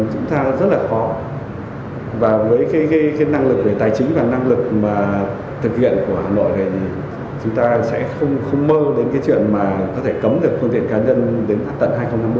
chúng ta rất là khó và với cái năng lực về tài chính và năng lực mà thực hiện của hà nội thì chúng ta sẽ không mơ đến cái chuyện mà có thể cấm được phương tiện cá nhân đến tận hai nghìn hai mươi